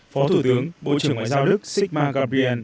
phó thủ tướng bộ trưởng ngoại giao đức sikma gabriel